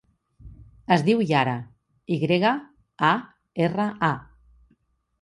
Es diu Yara: i grega, a, erra, a.